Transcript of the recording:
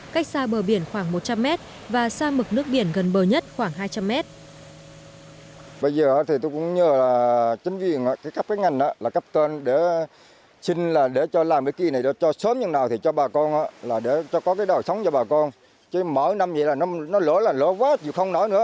cách xa bờ biển khoảng một trăm linh mét và xa mực nước biển gần bờ nhất khoảng hai trăm linh mét